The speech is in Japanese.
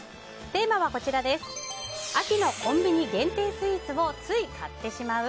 テーマは秋のコンビニ限定スイーツをつい買ってしまう？